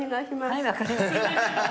はい、分かりました。